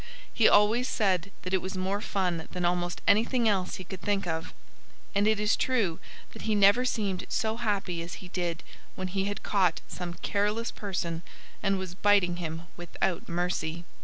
He always said that it was more fun than almost anything else he could think of. And it is true that he never seemed so happy as he did when he had caught some careless person and was biting him without mercy.